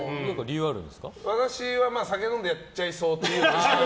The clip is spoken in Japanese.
私は酒飲んでやっちゃいそう。